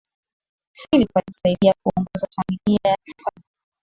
philip alisaidia kuongoza familia ya kifalme